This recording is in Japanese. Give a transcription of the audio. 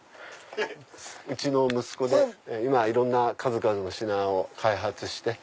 うちの息子で今いろんな数々の品を開発して。